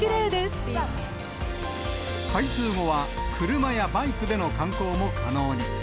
開通後は、車やバイクでの観光も可能に。